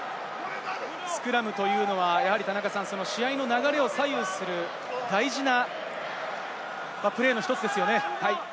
スクラムは田中さん、試合の流れを左右する大事なプレーの１つですよね。